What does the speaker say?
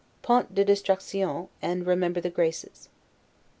'Point de distractions'; and remember the GRACES.